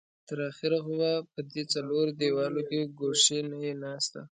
تر اخره خو به په دې څلورو دېوالو کې ګوښې نه يې ناسته.